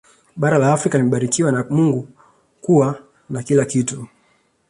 Bara la Afrika limebarikiwa na Mungu kwa kuwa na kila kitu